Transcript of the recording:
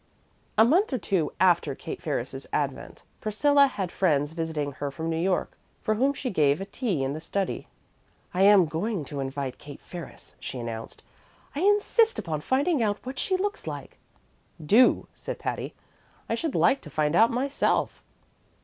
A month or two after Kate Ferris's advent, Priscilla had friends visiting her from New York, for whom she gave a tea in the study. "I am going to invite Kate Ferris," she announced. "I insist upon finding out what she looks like." "Do," said Patty. "I should like to find out myself."